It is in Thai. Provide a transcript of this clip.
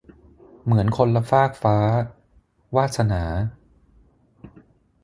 เหมือนคนละฟากฟ้า - วาสนา